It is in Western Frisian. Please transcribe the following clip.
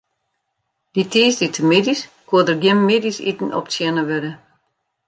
Dy tiisdeitemiddeis koe der gjin middeisiten optsjinne wurde.